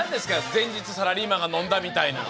前日サラリーマンが飲んだみたいな。